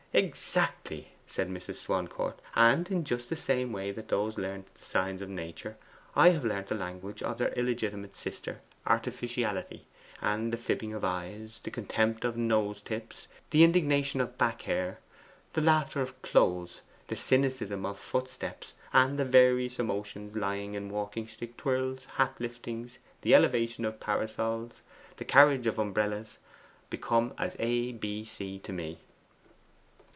'Exactly,' said Mrs. Swancourt. 'And in just the way that those learnt the signs of nature, I have learnt the language of her illegitimate sister artificiality; and the fibbing of eyes, the contempt of nose tips, the indignation of back hair, the laughter of clothes, the cynicism of footsteps, and the various emotions lying in walking stick twirls, hat liftings, the elevation of parasols, the carriage of umbrellas, become as A B C to me.